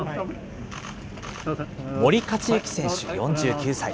森且行選手４９歳。